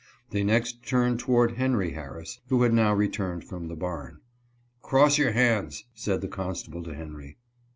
They next turned toward Henry Harris, who had now returned from the barn. "Cross your hands," said the constable to Henry.